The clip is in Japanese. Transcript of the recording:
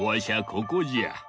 ここじゃ。